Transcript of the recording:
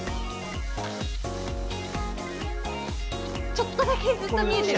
ちょっとだけずっと見えてる。